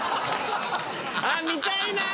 ああ見たいなぁ。